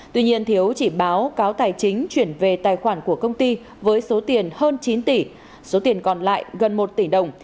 tuy nhiên thiếu chỉ báo cáo tài chính chuyển về tài khoản của công ty với số tiền hơn chín tỷ số tiền còn lại gần một tỷ đồng